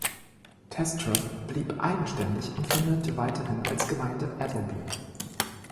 Tastrup blieb eigenständig und firmierte weiterhin als Gemeinde Adelby.